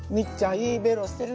いいベロしてる。